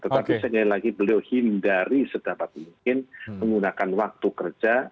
tetapi sekali lagi beliau hindari sedapat mungkin menggunakan waktu kerja